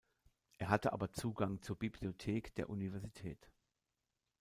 Er hatte aber Zugang zur Bibliothek der Universität.